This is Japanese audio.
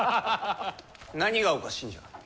何がおかしいんじゃ。